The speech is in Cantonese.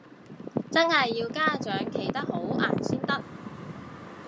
真係要家長企得好硬先得